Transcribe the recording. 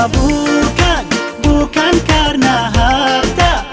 bukan bukan karena harta